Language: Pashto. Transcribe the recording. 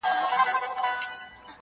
انډیوالۍ کي چا حساب کړی دی ,